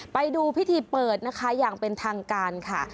ไปดูพิธีเปิดนะคะอย่างเป็นทางการค่ะ